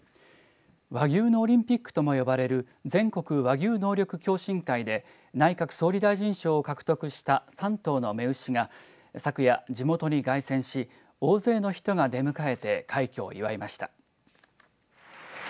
和牛のオリンピックとも呼ばれる全国和牛能力共進会で内閣総理大臣賞を獲得した３頭の雌牛が昨夜、地元に凱旋し大勢の人が出向いて快挙を祝いました。